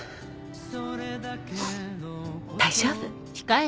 大丈夫。